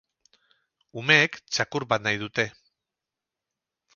Umeek txakur bat nahi dute.